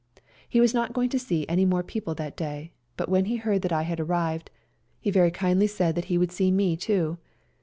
He was not going to see any more people that day, but when he heard that I had arrived he very kindly said that he would SERBIAN CHUISTMAS DAY 185 see me too.